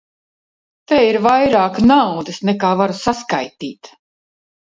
Te ir vairāk naudas, nekā varu saskaitīt.